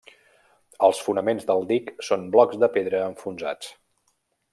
Els fonaments del dic són blocs de pedra enfonsats.